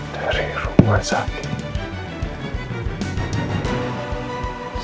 dari rumah sakit